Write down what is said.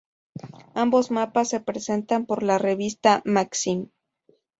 Ambos mapas se presentan por la revista Maxim.